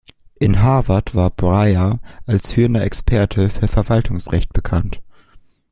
In Harvard war Breyer als führender Experte für Verwaltungsrecht bekannt.